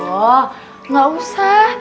aduh nggak usah